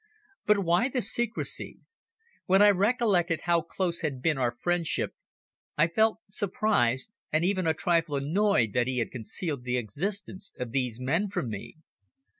But why the secrecy? When I recollected how close had been our friendship, I felt surprised, and even a trifle annoyed that he had concealed the existence of these men from me.